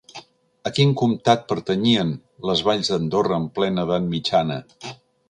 A quin comptat pertanyien les valls d'Andorra en plena edat mitjana?